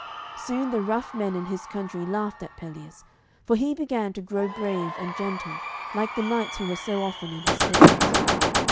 Soon the rough men in his country laughed at Pelleas, for he began to grow brave and gentle like the knights who were so often in his thoughts.